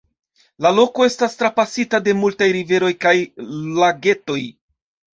La loko estas trapasita de multaj riveroj kaj lagetoj.